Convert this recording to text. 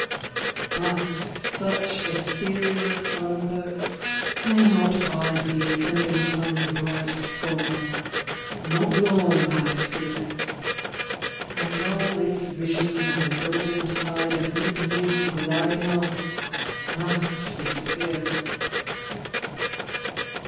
But such ethereal slumber may not bide The ascending sun's bright scorn not long, I fear; And all its visions on the golden tide Of mid noon gliding off, must disappear.